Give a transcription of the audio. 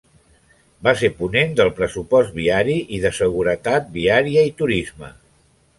Va ser ponent del pressupost viari i de seguretat viària i turisme.